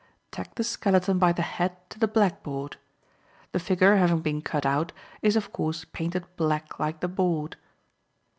Tack the skeleton by the head to the black board. The figure having been cut out, is of course painted black like the board.